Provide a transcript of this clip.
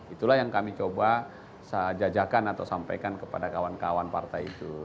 itulah yang kami coba jajakan atau sampaikan kepada kawan kawan partai itu